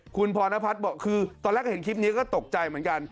คุณพรณพัฒน์บอกคือตอนแรกเห็นคลิปนี้ก็ตกใจเหมือนกัน